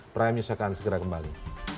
prayam yusyakaan segera kembali